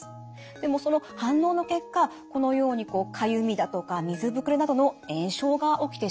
でもその反応の結果このようにかゆみだとか水膨れなどの炎症が起きてしまうんですね。